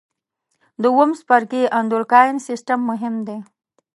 د اووم څپرکي اندورکاین سیستم مهم دی.